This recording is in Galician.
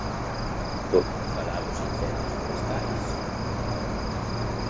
Por non falar dos incendios forestais.